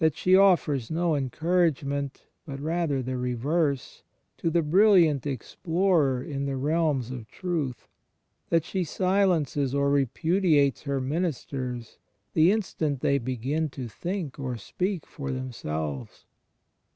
CHEIST IN THE EXTERIOR 69 offers no encouragement, but rather the reverse, to the brilliant explorer in the realms of truth; that she silences or repudiates her ministers the instant they begin to think or speak for themselves.